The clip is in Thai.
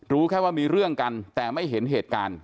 รู้แค่ว่ามีเรื่องกันแต่ไม่เห็นเหตุการณ์